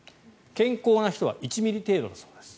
健康な人は１ｍｍ程度だそうです。